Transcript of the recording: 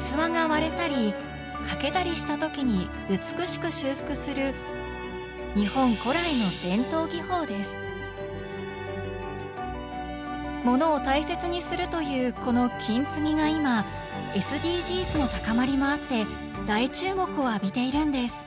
器が割れたり欠けたりした時に美しく修復する物を大切にするというこの「金継ぎ」が今ＳＤＧｓの高まりもあって大注目を浴びているんです！